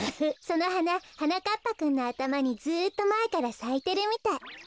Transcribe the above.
そのはなはなかっぱくんのあたまにずっとまえからさいてるみたい。